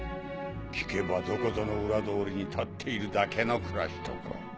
聞けばどこぞの裏通りに立っているだけの暮らしとか。